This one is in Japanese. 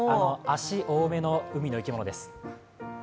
足、多めの海の生き物です。